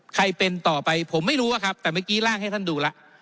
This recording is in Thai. ใครเป็นต่อไปผมไม่รู้อะครับแต่เมื่อกี้ร่างให้ท่านดูแล้ว